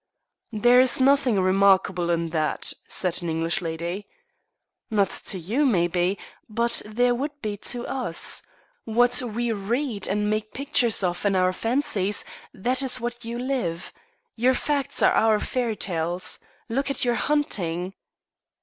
"There is nothing remarkable in that," said an English lady. "Not to you, maybe; but there would be to us. What we read of and make pictures of in our fancies, that is what you live. Your facts are our fairy tales. Look at your hunting."